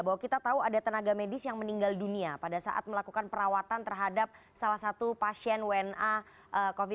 bahwa kita tahu ada tenaga medis yang meninggal dunia pada saat melakukan perawatan terhadap salah satu pasien wna covid sembilan belas